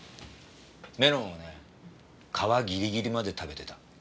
メロンをね皮ギリギリまで食べてた。